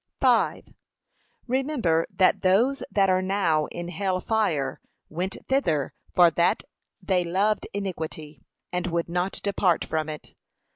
Remember that those that are now in hell fire went thither for that they loved iniquity, and would not depart from it.